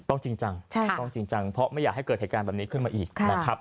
ต้องจริงจังเพราะไม่อยากให้เกิดเหตุการณ์แบบนี้ขึ้นมาอีก